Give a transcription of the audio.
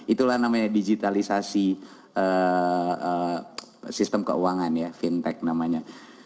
itulah namanya digitalisasi sistem keuangan ya fintech namanya